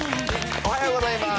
おはようございます。